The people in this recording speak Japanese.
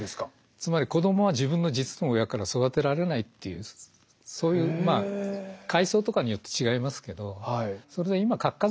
つまり子どもは自分の実の親から育てられないっていうそういうまあ階層とかによって違いますけど。